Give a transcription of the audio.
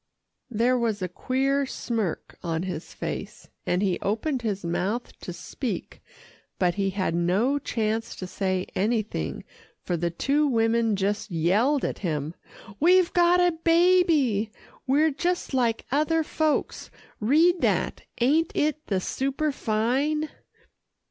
There was a queer smirk on his face, and he opened his mouth to speak, but he had no chance to say anything for the two women just yelled at him, "We've got a baby we're just like other folks read that ain't it the superfine!"